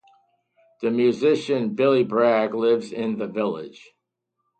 The musician Billy Bragg lives in the village.